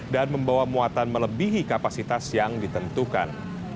dan membawa muatan melebihi kapasitas yang ditentukan